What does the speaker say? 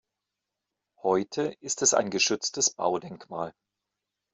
Heute ist es ein geschütztes Baudenkmal.